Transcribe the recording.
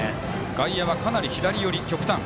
外野はかなり左寄り。